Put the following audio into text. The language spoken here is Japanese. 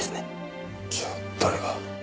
じゃあ誰が。